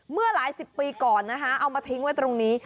เมื่อหลายสิบปีก่อนนะคะเอามาทิ้งไว้ตรงนี้